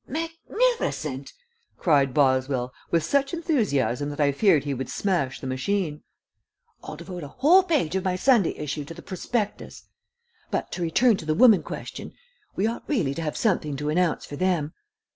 "Magnificent!" cried Boswell, with such enthusiasm that I feared he would smash the machine. "I'll devote a whole page of my Sunday issue to the prospectus but, to return to the woman question, we ought really to have something to announce for them.